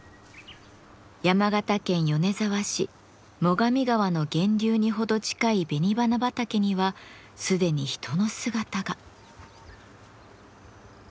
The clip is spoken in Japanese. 山形県米沢市最上川の源流に程近い紅花畑には既に人の姿が。